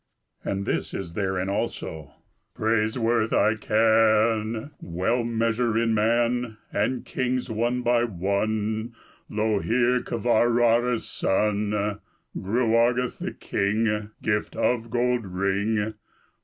And this is therein also: "Praise worth I can Well measure in man, And kings, one by one Lo here, Kvararis son! Gruageth the king Gift of gold ring?